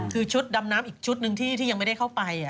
คือชุดดำน้ำอีกชุดหนึ่งที่ยังไม่ได้เข้าไป